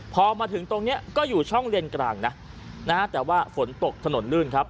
พอมาถึงตรงนี้ก็อยู่ช่องเลนกลางนะนะฮะแต่ว่าฝนตกถนนลื่นครับ